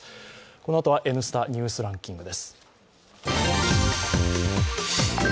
このあとは「Ｎスタ・ニュースランキング」です。